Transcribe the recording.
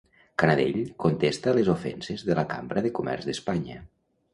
Canadell contesta a les ofenses de la Cambra de Comerç d'Espanya.